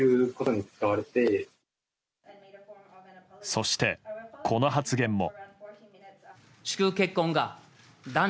そして、この発言も。